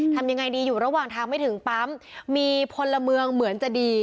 ทำยังไงดีอยู่ระหว่างทางไม่ถึงปั๊มมีพลเมืองเหมือนจะดี